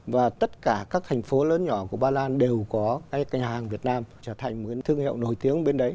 và tất cả các thành phố lớn nhỏ của ba lan đều có cái hàng việt nam trở thành một cái thương hiệu nổi tiếng bên đấy